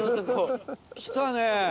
来たね。